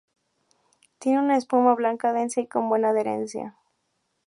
Tiene una espuma blanca, densa y con buena adherencia.